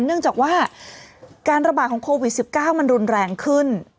เนื่องจากว่าการระบาดของโควิด๑๙มันรุนแรงขึ้น